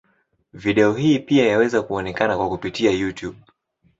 Video hii pia yaweza kuonekana kwa kupitia Youtube.